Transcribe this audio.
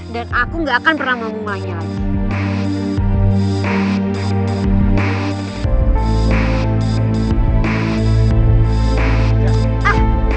dan aku gak akan pernah mau mulainya lagi